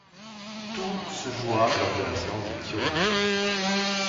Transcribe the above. Tout se joua lors de la séance des tirs au but.